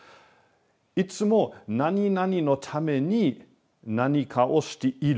いつも何々のために何かをしている。